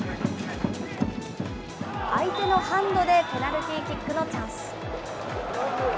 相手のハンドでペナルティーキックのチャンス。